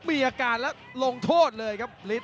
มีอาการแล้วลงโทษเลยครับฤทธ